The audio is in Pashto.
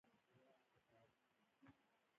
د تاریکي راتلونکي د روښانولو په هلوځلو.